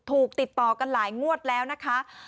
ติดต่อกันหลายงวดแล้วนะคะ